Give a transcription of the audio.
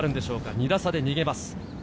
２打差で逃げます。